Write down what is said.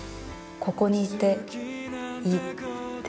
ここにいていいって。